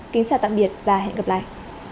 kính chào tạm biệt và hẹn gặp lại